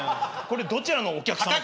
これどちらのお客様から。